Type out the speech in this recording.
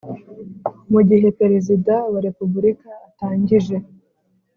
Mu gihe Perezida wa Repubulika atangije